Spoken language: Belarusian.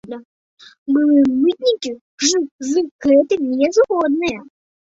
Былыя мытнікі ж з гэтым не згодныя.